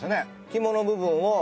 肝の部分を。